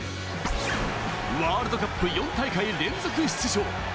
ワールドカップ４大会連続出場。